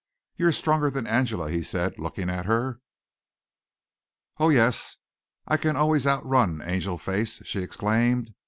"You're stronger than Angela," he said, looking at her. "Oh, yes, I can always outrun Angel face," she exclaimed.